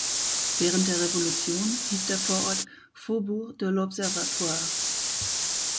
Während der Revolution hieß der Vorort "Faubourg de l‘Observatoire".